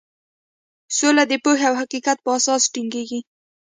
سوله د پوهې او حقیقت په اساس ټینګیږي.